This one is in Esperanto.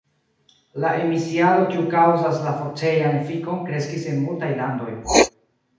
La emisiado kiu kaŭzas la forcejan efikon kreskis en multaj landoj.